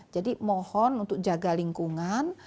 jadi mohon untuk jaga lingkungan